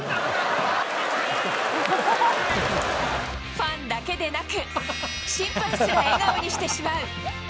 ファンだけでなく、審判すら笑顔にしてしまう。